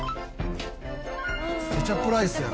ケチャップライスやな。